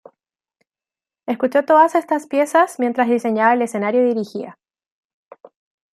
Escuchó todas estas piezas mientras diseñaba el escenario y dirigía.